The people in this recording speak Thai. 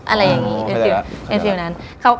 อะไรอย่างงี้เป็นฟิวนั้น